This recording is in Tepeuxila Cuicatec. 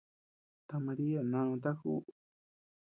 Ta Maria nanuta kuʼu.